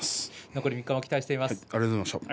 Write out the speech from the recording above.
残り３日も期待しています。